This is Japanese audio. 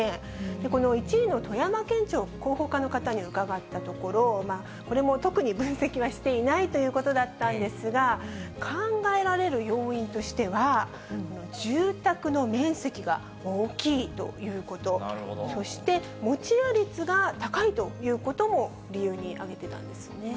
この１位の富山県庁広報課の方に伺ったところ、これも特に分析はしていないということだったんですが、考えられる要因としては、住宅の面積が大きいということ、そして、持ち家率が高いということも理由に挙げてたんですよね。